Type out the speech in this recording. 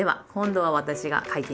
はい。